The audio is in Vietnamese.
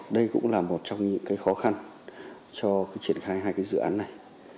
đây cũng là một trong những khó khăn cho triển khai hai cái dự án này